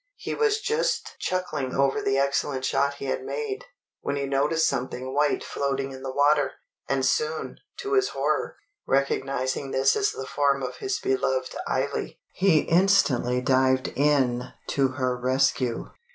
He was just chuckling over the excellent shot he had made, when he noticed something white floating in the water; and soon, to his horror, recognising this as the form of his beloved Eily, he instantly dived in to her rescue.